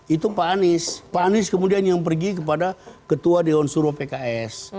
itu pak anies pak anies kemudian yang pergi kepada ketua dewan suruh pks